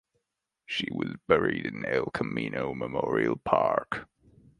She was buried in El Camino Memorial Park.